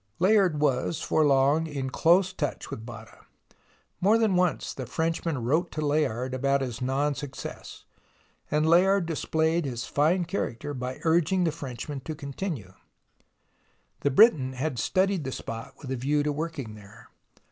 Layard was for long in close touch with Botta. More than once the Frenchman wrote to Layard about his non success, and Layard displayed his fine character by urging the Frenchman to con tinue. The Briton had studied the spot with a view to working there.